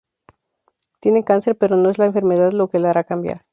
Tiene cáncer, pero no es la enfermedad lo que le hará cambiar.